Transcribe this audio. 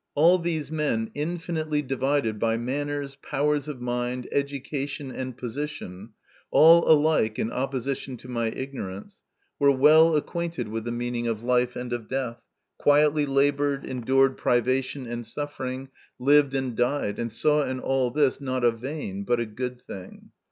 All these men, infinitely divided by manners, powers of mind, education, and position, all alike in opposition to my ignorance, were well acquainted with the meaning of life and of death, quietly laboured, endured privation and suffering, lived and died, and saw in all this, not a vain, but a good thing.